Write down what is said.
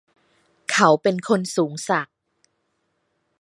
เขาเป็นคนสูงศักดิ์